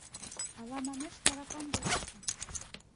— Ала, манеш, таракан верештын?